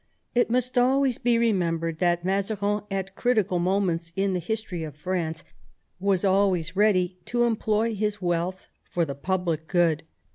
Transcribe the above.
It must always be remembered that Mazarin, at critical moments in the history of France, was always ready to employ his wealth for the public good.